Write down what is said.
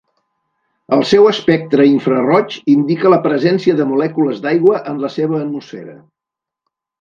El seu espectre infraroig indica la presència de molècules d'aigua en la seva atmosfera.